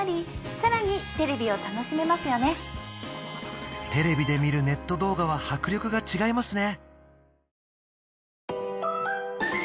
更にテレビを楽しめますよねテレビで見るネット動画は迫力が違いますね